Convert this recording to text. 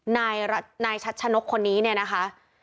นายชัดชะนกคนนี้เนี่ยนะคะ